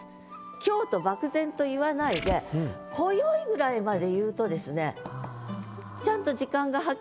「今日」と漠然と言わないで「今宵」ぐらいまで言うとですね